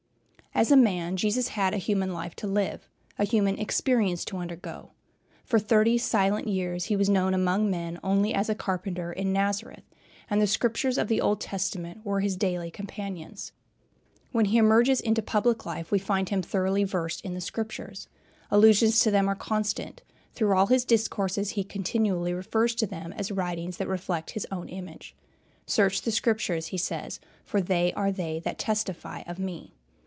As a man, Jesus had a human life to live, a human experience to undergo. For thirty silent years he was known among men only as a carpenter in Nazareth, and the Scriptures of the Old Testament were his daily companions. When he emerges into public life, we find him thoroughly versed in the Scriptures. Allusions to them are constant, through all his discourses; he continually refers to them as writings that reflect his own image. "Search the Scriptures," he says, "for they are they that testify of me."